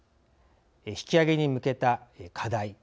引き上げに向けた課題。